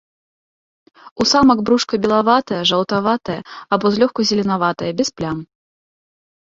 У самак брушка белаватае, жаўтаватае або злёгку зеленаватае, без плям.